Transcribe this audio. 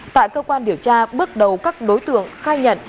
tại cơ quan điều tra bước đầu các đối tượng khai nhận